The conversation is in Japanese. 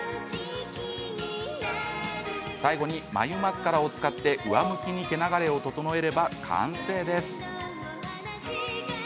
最後に眉マスカラを使って上向きに毛流れを整えれば完成です。